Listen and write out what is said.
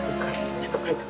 ちょっと書いとこ。